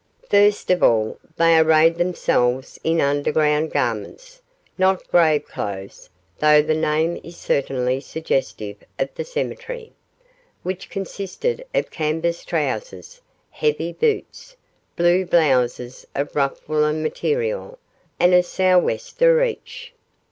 First of all, they arrayed themselves in underground garments not grave clothes, though the name is certainly suggestive of the cemetery which consisted of canvas trousers, heavy boots, blue blouses of a rough woollen material, and a sou'wester each.